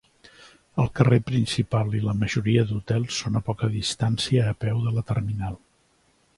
El carrer principal i la majoria d'hotels són a poca distància a peu de la terminal.